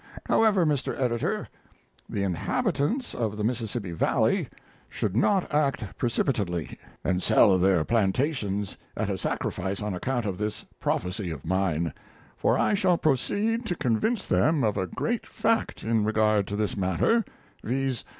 However, Mr. Editor, the inhabitants of the Mississippi Valley should not act precipitately and sell their plantations at a sacrifice on account of this prophecy of mine, for I shall proceed to convince them of a great fact in regard to this matter, viz.